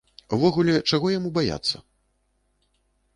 Увогуле, чаго яму баяцца.